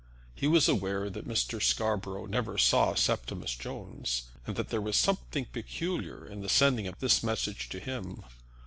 He was aware that Mr. Scarborough never saw Septimus Jones, and that there was something peculiar in the sending of this message to him.